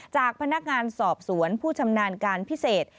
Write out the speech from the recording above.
จากพนักงานสอบสวนผู้ชำนาญการพิเศษ